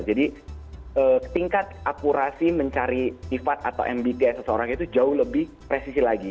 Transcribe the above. jadi tingkat akurasi mencari tifa atau mbti seseorang itu jauh lebih presisi lagi